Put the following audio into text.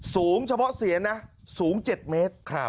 สูงเฉพาะเสียนนะสูง๗เมตร